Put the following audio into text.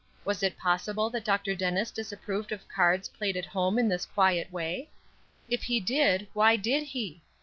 Was it possible that Dr. Dennis disapproved of cards played at home in this quiet way! If he did, why did he?